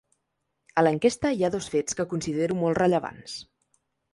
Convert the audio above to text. A l’enquesta hi ha dos fets que considero molt rellevants.